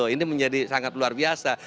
ini menjadi sangat luar biasa